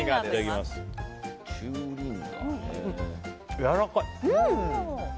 やわらかい。